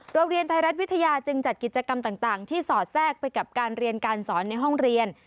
โรงเรียนไทยรัฐวิทยาจึงจัดกิจกรรมต่างที่สอดแทรกไปกับการเรียนการสอนในห้องเรียน